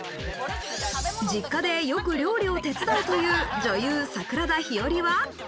実家でよく料理を手伝うという、女優・桜田ひよりは。